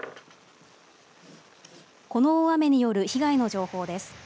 この大雨による被害の情報です。